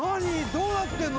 どうなってるの？